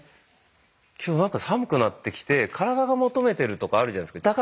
今日何か寒くなってきて体が求めてるとかあるじゃないですか。